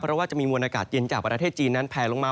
เพราะว่าจะมีมวลอากาศเย็นจากประเทศจีนนั้นแผลลงมา